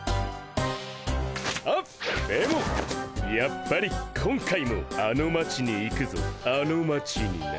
あっでもやっぱり今回もあの町に行くぞあの町にな。